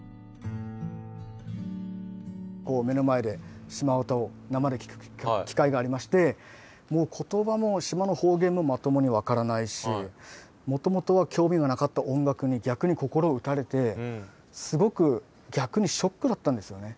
目の前でシマ唄を生で聴く機会がありましてもう言葉も島の方言もまともに分からないしもともとは興味がなかった音楽に逆に心を打たれてすごく逆にショックだったんですよね。